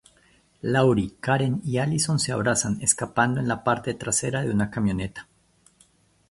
Laurie, Karen y Allyson se abrazan, escapando en la parte trasera de una camioneta.